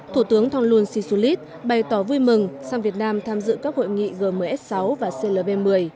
thủ tướng thong luân si su lít bày tỏ vui mừng sang việt nam tham dự các hội nghị gms sáu và clb một mươi